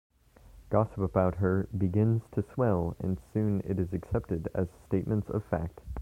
Gossip about her begins to swell and soon is accepted as statements of fact.